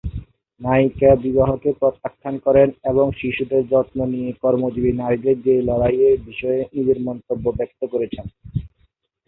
নায়িকা বিবাহকে প্রত্যাখ্যান করেন এবং শিশুদের যত্ন নিয়ে কর্মজীবী নারীদের যে লড়াইয়ের বিষয়ে নিজের মন্তব্য ব্যক্ত করেছেন।